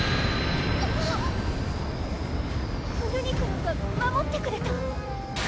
クルニクルンが守ってくれた？